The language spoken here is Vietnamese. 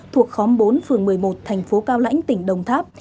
thuộc khóm bốn phường một mươi một tp cao lãnh tỉnh đồng tháp